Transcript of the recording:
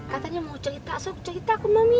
katanya mau cerita sok cerita ke mami